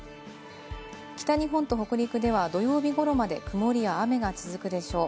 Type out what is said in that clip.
北日本と北陸では土曜日ごろまで曇りや雨が続くでしょう。